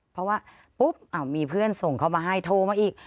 เพราะว่าปุ๊บมีเพื่อนส่งเข้ามาให้โทรมาอีก